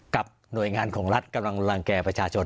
กับหน่วยงานของรัฐกำลังรังแก่ประชาชน